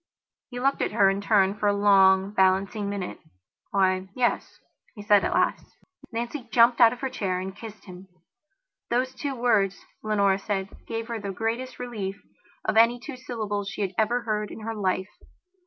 He looked at her in turn for a long, balancing minute. "Why, yes," he said at last. Nancy jumped out of her chair and kissed him. Those two words, Leonora said, gave her the greatest relief of any two syllables she had ever heard in her life.